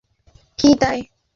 যা ভাবছি ওটা কি তাই?